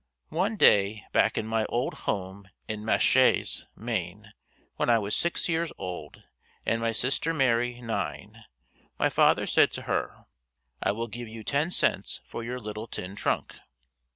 One day back in my old home in Machais, Maine, when I was six years old and my sister Mary nine, my father said to her, "I will give you ten cents for your little tin trunk."